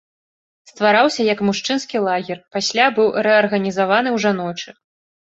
Ствараўся як мужчынскі лагер, пасля быў рэарганізаваны ў жаночы.